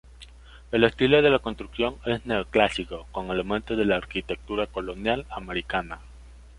El estilo de la construcción es neoclásico, con elementos de la arquitectura colonial americana.